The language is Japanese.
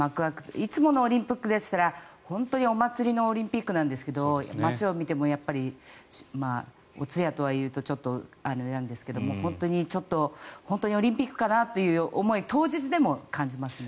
いつものオリンピックでしたら本当にお祭りのオリンピックなんですが街を見てもやっぱりお通夜というとちょっとあれなんですが本当にオリンピックかな？という思いを当日でも感じますね。